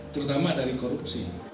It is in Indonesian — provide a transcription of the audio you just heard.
terutama dari korupsi